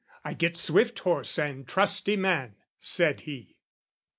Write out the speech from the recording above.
"I get swift horse and trusty man," said he.